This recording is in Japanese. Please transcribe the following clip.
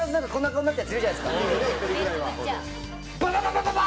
バババ